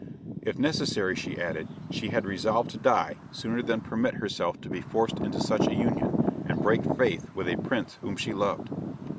If necessary, she added, she had resolved to die sooner than permit herself to be forced into such a union, and break faith with a prince whom she loved.